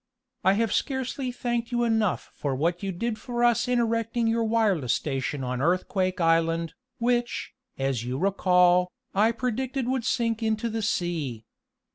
I have scarcely thanked you enough for what you did for us in erecting your wireless station on Earthquake Island, which, as you recall, I predicted would sink into the sea.